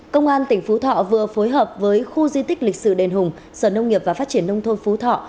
công an tỉnh phú thọ vừa phối hợp với khu di tích lịch sử đền hùng sở nông nghiệp và phát triển nông thôn phú thọ